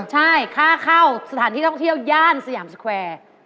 ใช่ค่าเข้าสถานที่ท่องเที่ยวย่านสยามสแควร์